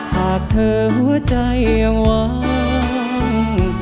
หากเธอหัวใจหวัง